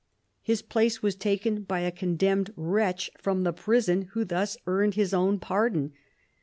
His place was taken by a condemned wretch from the prison who thus earned his own pardon.